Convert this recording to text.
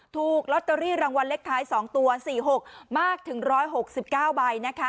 ถูกลอตเตอรี่รางวัลเลขท้าย๒ตัว๔๖มากถึง๑๖๙ใบนะคะ